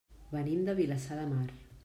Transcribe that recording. Venim de Vilassar de Mar.